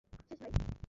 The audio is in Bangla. শেষ, ভাই!